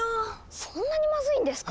そんなにまずいんですか？